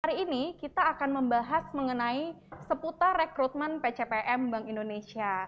hari ini kita akan membahas mengenai seputar rekrutmen pcpm bank indonesia